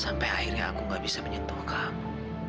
sampai akhirnya aku gak bisa menyentuh kamu